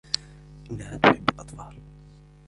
إنها تحب الأطفال.